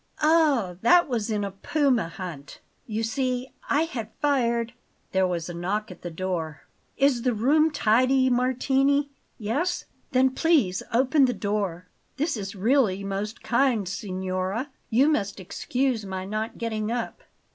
"Ah, that was in a puma hunt. You see, I had fired " There was a knock at the door. "Is the room tidy, Martini? Yes? Then please open the door. This is really most kind, signora; you must excuse my not getting up."